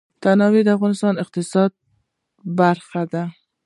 تنوع د افغانستان د اقتصاد برخه ده.